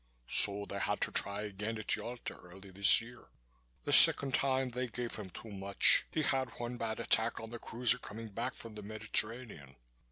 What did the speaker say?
So they had to try again at Yalta early this year. The second time they gave him too much. He had one bad attack on the cruiser coming back from the Mediterranean.